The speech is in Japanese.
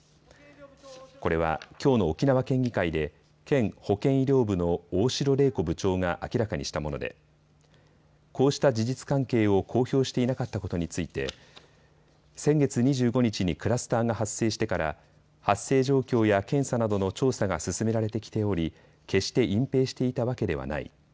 これは、きょうの沖縄県議会で県保健医療部の大城玲子部長が明らかにしたものでこうした事実関係を公表していなかったことについて先月２５日にクラスターが発生してから発生状況や検査などの調査が進められてきており決して隠蔽していたわけではない。